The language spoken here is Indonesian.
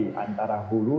jadi antara hulu